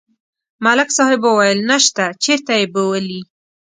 ملک صاحب ویل: نشته، چېرته یې بولي؟